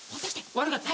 悪かった。